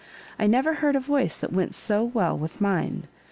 I never heard a voice that went so well with mine."